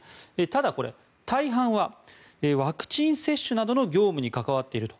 ただ、これは大半はワクチン接種などの業務に関わっていると。